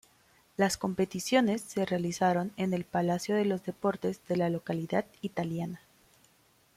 Las competiciones se realizaron en el Palacio de los Deportes de la localidad italiana.